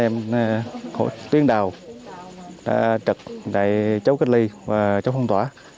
mà trợ cơ chốt